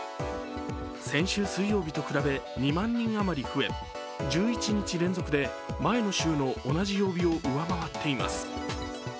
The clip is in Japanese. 先週水曜日と比べ、２万人あまり増え１１日連続で前の週の同じ曜日を上回っています。